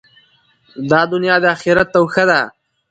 دا دؤنیا د آخرت توښه ده.